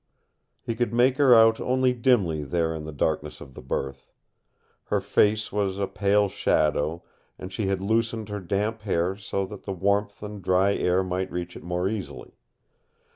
He could make her out only dimly there in the darkness of the berth. Her face was a pale shadow, and she had loosened her damp hair so that the warmth and dry air might reach it more easily.